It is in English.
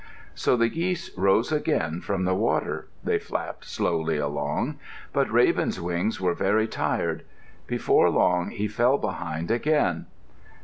So the geese rose again from the water. They flapped slowly along. But Raven's wings were very tired. Before long he fell behind again.